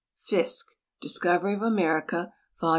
Fiske, Discovery of America," vol.